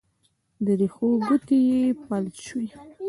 د رېښو ګوتې دې فلج شوي